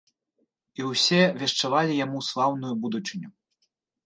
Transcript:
І ўсе вешчавалі яму слаўную будучыню.